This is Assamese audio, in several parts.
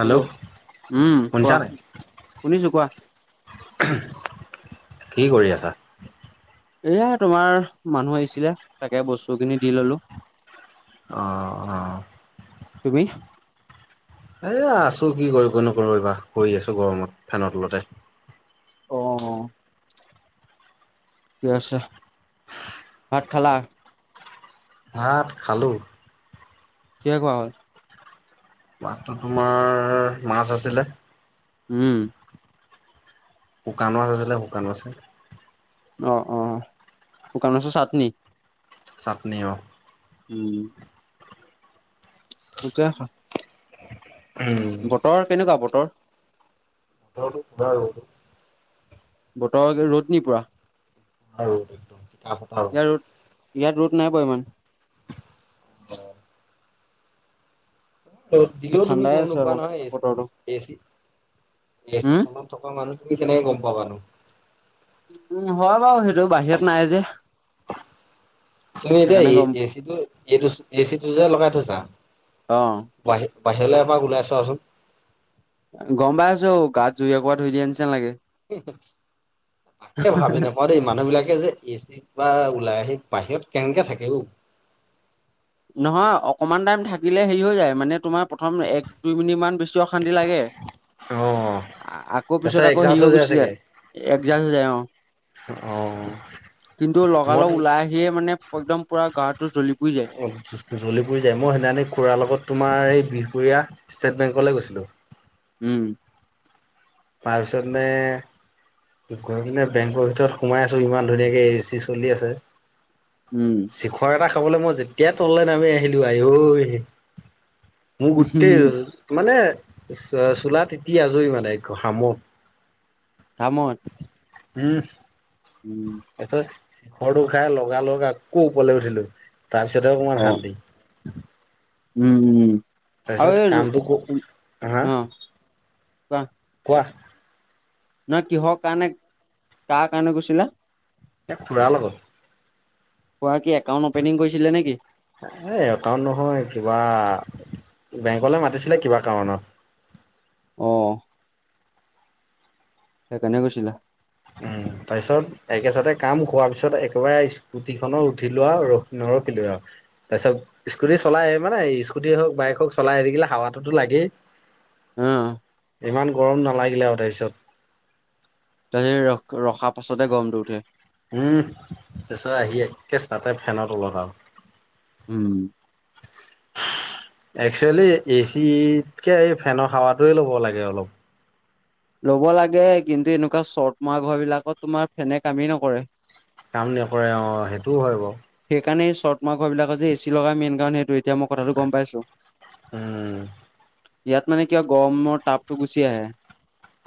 হেল্ল', উম শুনিছা কোৱা নাই? শুনিছো কোৱা। কি কৰি আছা। এইয়া তোমাৰ মানুহ আহিছিলে তাকে বস্তু খিনি দি ললো। অ অ। তুমি। এ আছো কি কৰিব নো এইবা পৰি আছো গৰমত ফেনৰ তলতে। অ ঠিক আছে ভাত খালা। ভাত খালোঁ। কিহে খোৱা হ'ল। ভাতটো তোমাৰ মাছ আছিলে। উম, শুকান মাছ আছিলে শুকান মাছ। অ অ শুকান মাছৰ চাটনি। চাটনি অ, উম, উম, বতৰ কেনেকুৱা বতৰ। [unintelligible] বতৰ ৰ'দ নি পুৰা। ইয়াত [unintelligible] ৰ'দ ইয়াত ৰদ নাইপৰা ইমান। অ। দিলেও তুমি ঠাণ্ডাই গম আছে নোপোৱা অলপ নহয় এ এচি বতৰটো এচি এচি উম তলত। থকা মানুখিনি কেনেকে গম পাবানো। উম হয় বাৰু সেইটো বাহিৰত নাই যে। তুমি এতিয়া সেইকাৰণে গম এচি টো এইটো এচিটো যে লগাই থৈছা, অ বাহিৰ বাহিৰলৈ এবাৰ ওলাই চোৱাচোন। গম পাইছো গাত জুই একোৰা ধৰি দিয়া নিছিনা লাগে। তাকে ভাবি নাপওঁ দেই মানুহ বিলাকে যে এচি, কিবা ওলাই আহি বাহিৰত কেনেকে থাকে অও, নহয় অকমান টাইম থাকিলে হেৰি হৈ যায় মানে তোমাৰ প্ৰথম এক দুই মিনিট মান বেছি। অশান্তি লাগে। অঁ আকৌ পিছত আকৌ হেৰি হৈ গোছি যায় একজাম হৈ যায় অ, কিন্তু মদ লগালগ ওলাই আহিয়ে মানে একদম পুৰা গাটো জ্বলি পুৰি যায়। অ' জলি-পুৰি যায়। মই সেইদিনাখনি খুৰা লগত তোমাৰ এই বিহপুৰীয়া ষ্টেট বেংকলে গৈছিলোঁ। উম। তাৰপিছত মানে গৈ পিনে বেংকৰ ভিতৰত সোমাই আছো, ইমান ধুনীয়াকে এ-চি চলি আছে। উম, চিখৰ এটা খাবলে মই যেতিয়াই তললে নামি আহিলো আই ঐ, মোৰ গোটেই মানে চ চোলা তিতি আজৰি মানে। [unintelligible] খাম অই উম। উম। তাৰপিছত শিখৰটো খাই লগালগ আকৌ ওপৰলে উঠিলো, তাৰপিছতহে অ অকমান শান্তি। উম উম উম। আৰু তাৰপিছত এ ৰো কামটো ক হা অ'। কোৱা কোৱা। নহয় কিহৰ কাৰণে? কাৰ কাৰণে গৈছিলা? এ খুৰা লগত খুৰাৰ কি একাউণ্ট অপেনিং কৰিছিলে নেকি? এ একাউট নহয়! কিবা, বেংকলে মাতিছিলে কিবা কাৰণত অ'। সেইকাৰনে গৈছিলে। উম, তাৰপিছত একেচাতে কাম হোৱাৰ পিছত একেবাৰে আহিছো। স্কুটিখনত উঠিলো আৰু, ন-নৰখিলোৱে আৰু! তাৰপিছত স্কুটি চলাই আহিবানে? স্কুটি হওঁক, বাইক হওক, চলাই আহি থাকিলে হাৱাটোতো লাগেই। অ'। ইমান গৰম নালাগিলে আৰু তাৰপিছত! তাৰপিছত ৰখ-ৰখা পাছতে গৰমটো উঠে। উম, তাৰপিছত আহি একেচাতে ফেনৰ তলত আও! উম। [inaudible] একচুৱেলি এ-চিতকে এই ফেনৰ হাৱাটোৱে ল'ব লাগে অলপ। ল'ব লাগে কিন্তু এনেকুৱা চট মৰা ঘৰবিলাকত তোমাৰ ফেনে কামেই নকৰে। কাম নকৰে অ', সেইটোও হয় বাৰু! সেইকাৰণে এই চট মৰা ঘৰবিলাকত যে এ-চি লগায়, মেইন কাৰণ সেইটোৱেই। এতিয়া মই কথাটো গম পাইছোঁ। উম ইয়াত মানে কিবা গৰমৰ টাপটো গুচি আহে।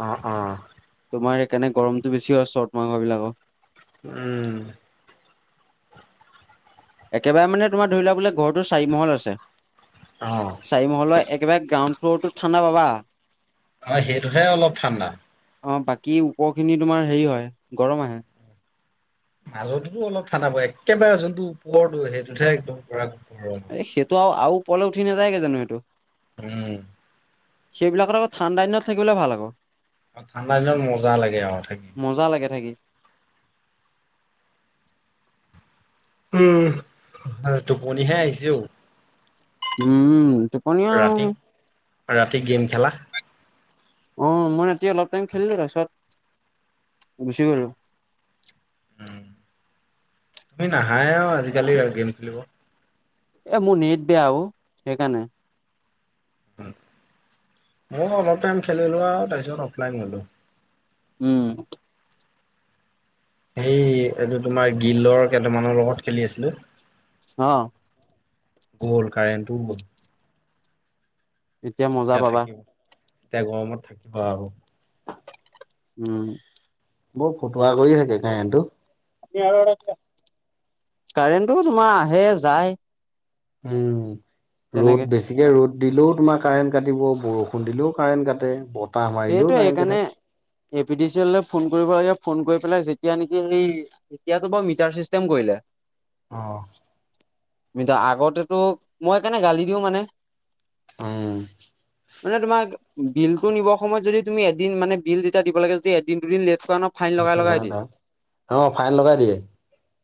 অ' হ'। তোমাৰ সেইকাৰণে গৰমটো বেছি হয়, চট মৰা ঘৰবিলাকত উম। একেবাৰে মানে তোমাৰ ধৰি লোৱা বোলে, ঘৰটো চাৰিমহল আছে। অ'। চাৰিমহলৰ একেবাৰে গ্ৰাউন্ড ফ্ল'ৰটোত ঠাণ্ডা পাবা। অ' সেইটোতহে অলপ ঠাণ্ডা। অ' বাকী ওপৰখিনি তোমাৰ হেৰি হয়, গৰম আহে। মাজতো অলপ ঠাণ্ডা পৰে, একেবাৰে যোনটো ওপৰটো, সেইটোতহে একদম ধৰা গৰম। এ সেইটো আৰু, আৰু ওপলে উঠি নাযায়গে জানো সেইটো? উম। সেইবিলাকত আক' ঠাণ্ডা দিনত থাকিবলে ভাল আক'। ঠাণ্ডা দিনত মজা লাগে আও থাকি। মজা লাগে থাকি। উম টোপনিহে আহিছে ঔ। উম টোপনি ৰাতি আৰু ৰাতি গেম খেলা? অ মই ৰাতি অলপ টাইম খেলিলো তাৰছত গুচি গলো। উ তুমি নাহায়ে আও আজিকালি গেম খেলিব। এ মোৰ নেট বেয়া অউ, সেইকাৰণে। ময়ো অলপ টাইম খেলিলো আও, তাৰপিছত অফলাইন গ'লো। উম। সেই এইটো তোমাৰ, গিলৰ কেইটামানৰ লগত খেলি আছিলো। অ'। গ'ল কাৰেণ্টটো গ মজা এতিয়া পাবা থাকিব, এতিয়া গৰমত থাকিবা আও। উম। বৰ ফটুৱা কৰি থাকে কাৰেণ্টটো। [inaudible] কাৰেণ্টটো তোমাৰ আহে যায়। উম, তেনেকে ৰ'দ বেছিকে ৰ'দ দিলেও তোমাক কাৰেণ্ট কাটিব, বৰষুণ দিলেও কাৰেণ্ট কাটে, বত সেইটোৱে সেইকাৰণে এ পি ডি চি এলৈ ফোন কৰিব লাগে, ফোন কৰি পেলাই যেতিয়া নেকি সেই এতিয়াতো বাও মিটাৰ চিষ্টেম কৰিলে। অ। মিটা আগতেতো মই সেইকাৰণে গালি দিওঁ মানে। উম। মানে তোমাক বিলতটো নিবৰ সময়ত যদি তুমি এদিন মানে বিল যেতিয়া দিব লাগে য এদিন দুদিন লেট কৰা ন ফাইন লগাই লগাই দিয়ে [inaudible] অ ফাইন লগাই দিয়ে।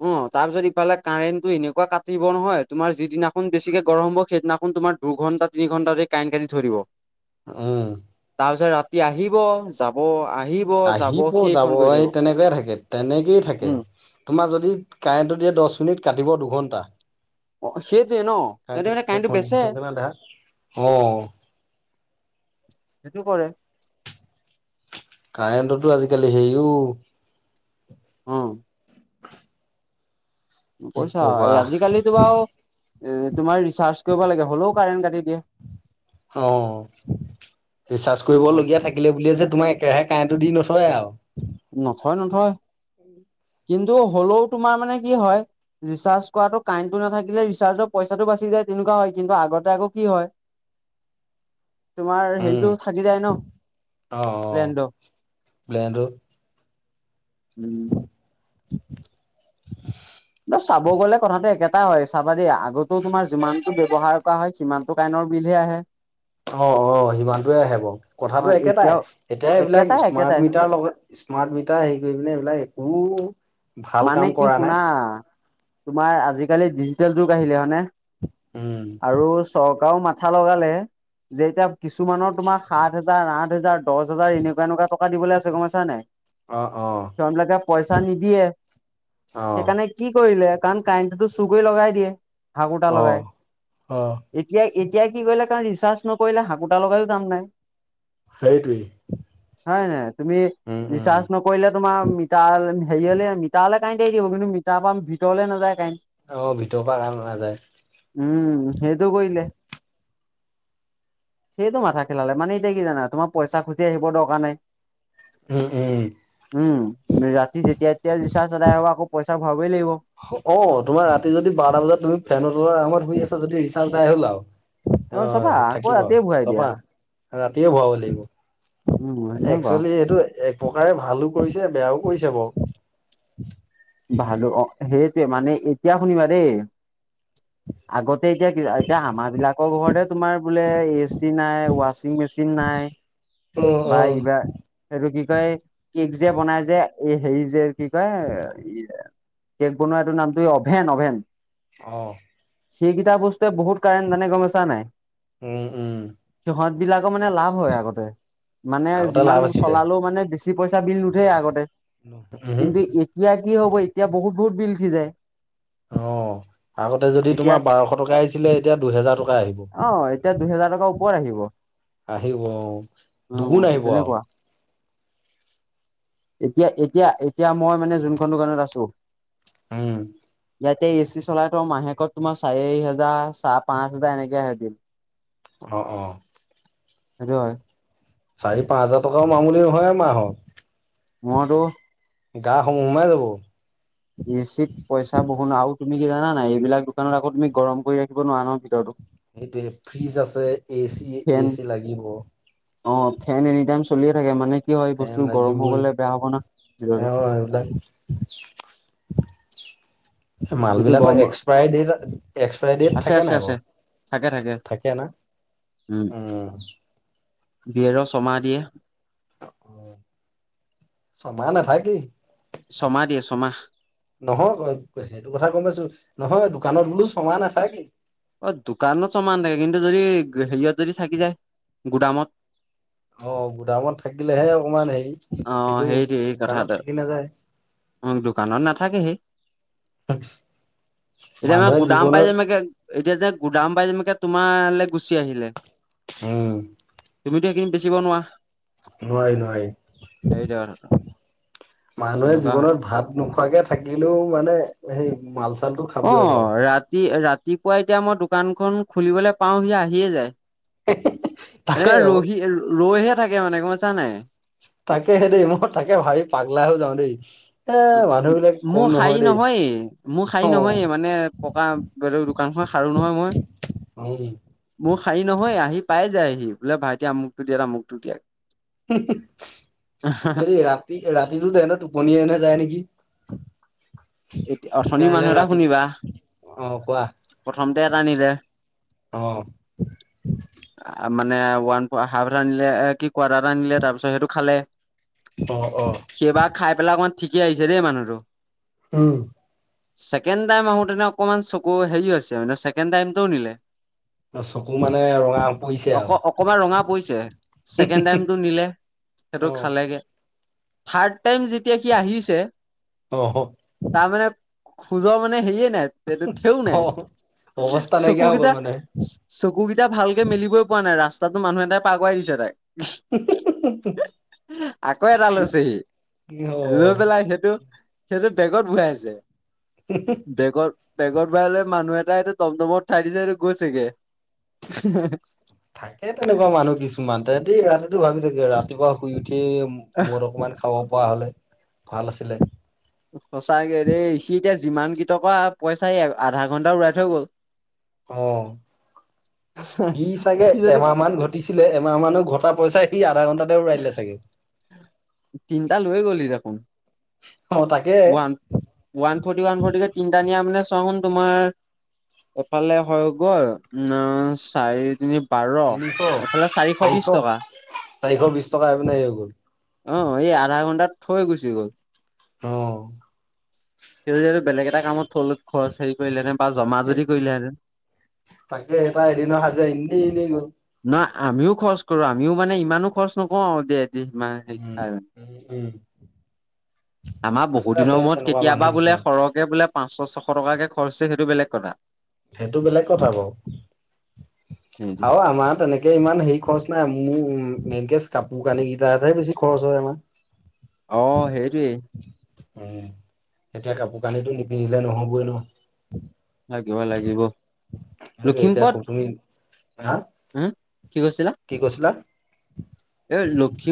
অ তাৰ পিছত ইফালে কাৰেণ্টটো এনেকুৱা কাটিব নহয়, তোমাৰ যিদিনাখন বেছিকে গৰম হ'ব সেইদিনাখন তোমাৰ দুঘণ্টা, তিনি ঘণ্টা ধৰি কাৰেণ্ট কাটি থৈ দিব। উম। তাৰপিছত ৰাতি আহিব, যাব, আহ আহিব যাব এই তেনেকোৱাই থাকে, তেনেকেই থাকে। উম। তোমাৰ যদি কাৰেণ্টটো দিয়ে দহ মিনিট, কাটিব দুঘণ্টা। অ সেইটোৱে ন। সিহঁতে মানে বেচে কাৰেণ্টটো [unintelligible] অঁ সেইটো কৰে। কাৰেণ্টতো আজিকালি হেইও। অ। কি কৈছা, কবা আজিকালিতো বাও এ তোমাৰ ৰিচাৰ্জ কৰিব লাগে, হ'লেও কাৰেণ্ট কাটি দিয়ে। অ ৰিচাৰ্জ অ কৰিবলগীয়া থাকিলে বুলিয়ে যে তোমাক একেৰাহে কাৰেণ্টটো দি নথয় আও। নথয় নথয়, কিন্তু হলেও তোমাৰ মানে কি হয় ৰিচাৰ্জ কৰাটো কাৰেণ্টটো নাথাকিলে ৰিচাৰ্জৰ পইচাটো বাচি যায় তেনেকুৱা হয়, কিন্তু আগতে আকৌ কি হয় [inaudible] তোমাৰ উম হেৰিতটো থাকি যায় ন প্লেনটো। প্লেনটো। উম। [unintelligible] ন চাব গ'লে কথাটো একে এটা হয় চাবা দেই আগটো তোমাৰ যিমানতটো ব্যৱহাৰ কৰা হয়, সিমানটো কাইনৰ বিলহে আহে। অ অ সিমানটোৱে আহে ব। অ কথাটো একেটাই, এতিয়াও এতিয়া এইবিলাক একেটাই স্মাৰ্ট একেটাই মিটাৰ লগত স্মাৰ্ট মিটাৰ হেৰি কৰি পিনে এইবিলাক একো ভাল মানে কাম কি কৰা শুনা নাই। তোমাৰ আজিকালি ডিজিটেল যুগ আহিলে হয় নে উম আৰু চৰকাৰও মাথা লগালে, যে এতিয়া কিছুমানৰ তোমাৰ সাত হোজাৰ, আঠ হোজাৰ দহ হাজাৰ এনেকুৱা এনেকুৱা টকা দিবলৈ আছে গমাইছা নাই? অ অ সিহঁত বিলাকে পইচা নিদিয়ে। অ সেইকাৰণে কি কৰিলে, কাৰণ কাৰেণ্টটো চু কৰি লগাই দিয়ে, হাকোটা অ লগাই। অ এতিয়া এতিয়া কি কৰিলে কাৰণ, ৰিচাৰ্জ নকৰিলে হাঁকোটা লগাইও কাম নাই। সেইটোৱেই। হয় নাই তুমি উম উম ৰিচাৰ্জ নকৰিলে তোমাৰ মিটাৰলেন হেৰি হলে আনি [unintelligible] থাকিব, কিন্তু মিটাৰ পৰা ভিতৰ নাযায় কাইণ্ট। অ ভিতৰ পৰা কাইন নাযায়। উম সেইটো কৈলে। সেইটো মাথা খেলালে মানে এতিয়া কি জানা তোমাৰ পইচা খুজি আহিব দৰকাৰ নাই। হু উম। উম ৰাতি যেতিয়া এতিয়া ৰিচাৰ্জ চিজাৰ আদায় হব আকৌ পইচা ভৰাবই লাগিব। অ তোমাৰ ৰাতি যদি বাৰটা বজাত তুমি ফেনৰ তলত আৰামত শুই আছা যদি ৰিচাৰ্জ এদাই হ'ল আও। অ চাবা আহ আকৌ থাকিবাও ৰাতিয়ে ভৰাই দিয়া চফা। ৰাতিয়ে ভৰাব উম লাগিব সেনেকুৱা একচুৱেলি এইটো এক পকাৰে ভালো কৰিছে বেয়াও কৰিছে বাও। ভালো অ সেইটোৱে মানে এতিয়া শুনিবা দেই। আগতে এতিয়া এতিয়া আমাৰ বিলাকৰ ঘৰতে তোমাৰ। বোলে এ চি নাই ৱাচিং মেচিন নাই বা এইবা- এইটো কি কয় কেক যে বনাই যে এই হেৰি যে কি কয় কেক বনোৱাটোৰ নামটো অভেন অভেন। অ। সেইকেইটা বস্তুৱে বহুত কাৰেণ্ট জানে গম পাইছা নাই। উম উব। সিহঁত বিলাকো মানে লাভ হয় আগতে। মানে আগতে যিমান লাভ আছিলে চলালেও মানে বেছি পইচা বিল নুঠে আগতে উহো কিন্তু ইত- এতিয়া কি হ'ব এতিয়া বহুত বহুত বিল উঠি যায়। অ। আগতে যদি এতিয়া তোমাৰ বাৰশ টকা আহিছিলে এতিয়া দুহেজাৰ টকা আহিব। অ এতিয়া দুহেজাৰ টকাৰ ওপৰত আহিব অ আহিব অহ দুগুণ আহিব আও। তেনেকুৱা এতিয়া এতিয়া এতিয়া মই মানে যোনখন দোকানত আছো। উম। ইয়াতে এ চি চলাই থও মাহেকত তোমাৰ চাৰি হোজাৰ চাহ পাঁচ হোজাৰ এনেকে আহে বিল। অ অ। সেটো হয়। চাৰি পাঁচ হাজাৰ টকাও মামুলি নহয় মাহত। মইটো গাসমুহ সোমাই যাব। এচিত পইচা বহু নাও আৰু তুমি কি জানা নাই এইবিলাক দোকানত আকৌ তুমি গৰম কৰি ৰাখিব নোৱাৰা ন ভিতৰতো। সেইটোয়ে ফ্ৰিজ আছে এ চি, এ চি লাগিব। অহ, ফেন এনি টাইম চলিয়ে থাকে মানে কি হয় ফেন বস্তু গৰম হৈ গলে বেয়া হব না [unintelligible] তই উলা। এ মাল এইটো বিলাকৰ গৰমৰ এক্সপাইৰী ডেটা এক্সপাইৰী ডেট আছে থাকে আছে নাই আছে বাৰু থাকে না, উম। বিয়েৰ ছমাহ দিয়ে। অ ছমাহ নাথাকেই। ছমাহ দিয়ে ছমাহ। নহয় সেইটো কথা গম পাইছোঁ নহয় দোকানত বোলো ছমাহ নাথাকেই। অ দোকানত ছমাহ নাথাকে কিন্তু যদি হেৰিয়ত যদি থাকি যায় গুদামত। অ গুদামত থাকিলেহে অকমান সেই অ সেইটোৱে সেই কথাটো অহ দোকানত নাথাকে হে। এতিয়া মানে মানুহে গুদাম পাই জীৱনত যেনে বাকে। এতিয়া যে গুদাম বাই তোমালে গুচি আহিলে। উম, তুমিতো সেইখিনি বেচিব নোৱাৰা। নোৱাৰি নোৱাৰি সেইটোৱে কথা মানুহে এনেকুৱা হয় জীৱনত ভাত নোখোৱাকে থাকিলেও মানে সেই মাল চাল টো অ খাবই বাও। ৰাতি ৰাত ৰাতিপুৱা এতিয়া মই দোকানখন খুলিবলৈ পাওঁ সি আহিয়ে যায়। এ তাকে ৰহি ৰৈহে থাকে মানে গম পাইছা নাই। তাকেহে দেই মই তাকে ভাবি পাগলা হৈ যাওঁ দেই এ মানুহবিলাক। মোৰ শাৰী নহয়েই মোৰ শাৰী নহয়ে মানে পকা ব দোকান খন শাৰো নহয় মই। উম। মোৰ শাৰী নহয় আহি পাই যায় আহি বোলে ভাইটি আমুকটো দিয়া টামুকটো দিয়া। হেৰি ৰাতি ৰাতিতো তেহেন্তৰ টোপনি এনে নাযায় নেকি। এতিয়া অথনি তেতিয়াহ'লে মানুহ এটা ৰাতি শুনিবা অ কোৱা প্ৰথমতে এটা আনিলে। অহ, মানে ওৱান হাফ এটা আনিলে কি কোৱাটাৰ এটা আনিলে তাৰপিছত সেইটো খালে। অ অ সেইবাৰ খাই পেলাই অকমান ঠিকেই আহিছে দেই মানুহটো। উম। ছেকেণ্ড টাইম আহোতেনো অকমান চকু হেৰি হৈছে মানে ছেকেণ্ড টাইমতো নিলে। চকু মানে ৰঙা পৰিছে অক আৰু অকমান ৰঙা পৰিছে ছেকেণ্ড টাইমটো নিলে। অ সেইটো খালেগে থাৰ্ড টাইম যেতিয়া সি আহিছে অ অহ, তাৰ মানে খোজৰ মানে হেৰিয়ে নাই। তেতিয়াও অ নাই অৱস্থা চকু নাইকিয়া হৈ গ'ল কেইটা, মানে চকুকেইটা ভালকে মেলিবই পৰা নাই ৰাস্তাটো মানুহ এটাই পাৰকৰাই দিছে তাইক। আকৌ এটা লৈছেহি অ লৈ পেলাই সেইটো। সিহতে বেগত বহাই আছে বেগত। বেগত ভঢ়াই লৈ মানুহ এটাই টমটমত উঠাই দিছেটো গৈছেগে। থাকে তেনেকুৱা মানুহ কিছুমান ততেই ৰাতিটো ভাবি থাকে ৰাতিপুৱা শুই উঠিয়ে। মদ অকমান খাব পৰা হ'লে ভাল আছিলে। সঁচাকে দেই সি এতিয়া যিমান কিটকা পইচা আধা ঘণ্টা উৰাই থৈ গ'ল, অহ ই চাগে সি যদি এমাহ মান ঘট ঘটিছিলে এমাহ মানুহ ঘটা পইচা সি আধা ঘণ্টাতে উৰাই দিলে চাগে। তিনটা লৈ গ'লি দেখোন। অহ, তাক one one forty one forty তিনিটা নিয়া মানে তোমাৰ, এফালে হৈ গ'ল উম চাৰি তিনি বাৰ এফালে চাৰিশ বিছ টকা। চাৰিশ বিশ টকা এইপিনে হৈ গ'ল অ এই আধা ঘণ্টাত থৈ গুচি গ'ল। অ, সেটো যদি বেলেগ এটা কামত থ খৰচ হেৰি কৰিলেহে বা জমা যদি কৰিলেহেতেন। তাকে এটা এদিন আসাজোৱা এনেই এনেই গ'ল। নহয় আমিও খৰচ কৰো আমিও মানে ইমানো খৰচ নকৰো আৰু দে। উম [unintelligible] উম। উম আমাৰ আছে বহুত আছে দিনৰ মূৰত তেনেকুৱা মানুহ কেতিয়াবা বোলে কিছুমান সৰক, বোলে পাঁচশ ছশ টক কে খৰচ হৈছে সেইটো বেলেগ কথা। সেইটো বেলেগ কথা বাৰু সেইটো আৰু আমাৰ তেনেকে। এনেকে ইমান হেৰি খৰচ নাই মোৰ উ মেইনকে কাপোৰ কানি কেইটাত হে বেছিকে খৰচ হয়। অ [inaudible] উম সেইটোৱেই এতিয়া কাপোৰ কানিতো নিপিন্ধিলে নহবই ন। থাকিব লাগিব সেইটো এতিয়া লখিমপুৰত, তুমি হা উহো কি কৈছিলা? কি কৈছিলা? এ লখিম